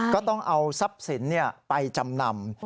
ก็ต้องเอาทรัพย์สินไปจำนำ